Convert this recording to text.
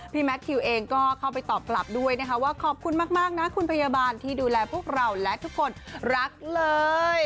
แมททิวเองก็เข้าไปตอบกลับด้วยนะคะว่าขอบคุณมากนะคุณพยาบาลที่ดูแลพวกเราและทุกคนรักเลย